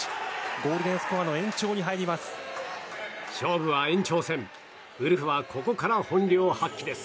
ゴールデンスコアの延長に入ります。